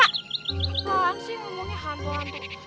apaan sih ngomongnya hantu hantu